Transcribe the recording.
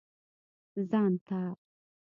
ځان ته.